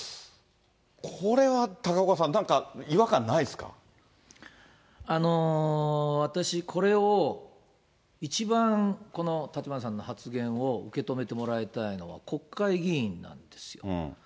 これは高岡さん、なんか違和感な私、これを一番この立花さんの発言を受け止めてもらいたいのは、国会議員なんですよ。